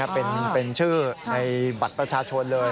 เป็นชื่อในบัตรประชาชนเลย